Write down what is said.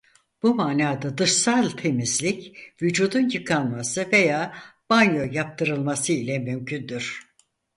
Bu manada dışsal temizlik vücudun yıkanması veya banyo yaptırılması ile mümkündür.